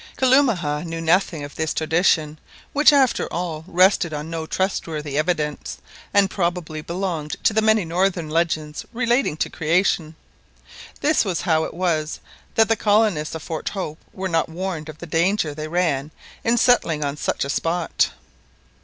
Kalumah knew nothing of this tradition, which after all rested on no trustworthy evidence, and probably belonged to the many northern legends relating to the creation. This was how it was that the colonists of Fort Hope were not warned of the danger they ran in settling on such a spot.